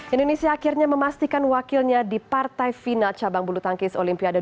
indonesia akhirnya memastikan wakilnya di partai final cabang bulu tangkis olimpiade dua ribu